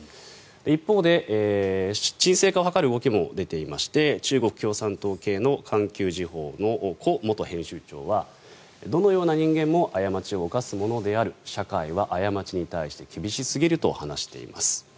一方で鎮静化を図る動きも出ていまして中国共産党系の環球時報のコ元編集長はどのような人間も過ちを犯すものである社会は過ちに対して厳しすぎると話しています。